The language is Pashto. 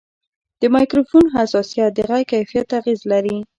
د مایکروفون حساسیت د غږ کیفیت ته اغېز لري.